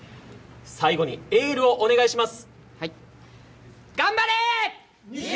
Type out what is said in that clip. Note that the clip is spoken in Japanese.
最後にエールをお願いします。